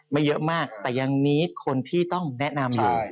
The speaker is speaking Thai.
ไม่เยอะมากแต่ยังนี้คนที่ต้องแนะนำเลย